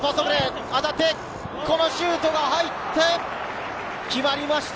当たって、このシュートが入って、決まりました。